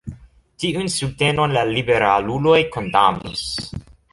Tiun subtenon la liberaluloj kondamnis.